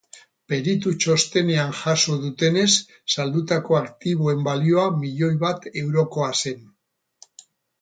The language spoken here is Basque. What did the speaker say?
Peritu txostenean jaso dutenez, saldutako aktiboen balioa milioi bat eurokoa zen.